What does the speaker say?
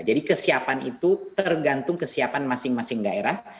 jadi kesiapan itu tergantung kesiapan masing masing daerah